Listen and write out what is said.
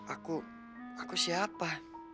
aku aku siapa